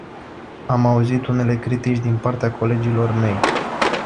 Am auzit unele critici din partea colegilor mei.